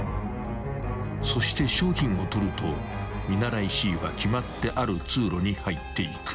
［そして商品を取ると見習いＣは決まってある通路に入っていく］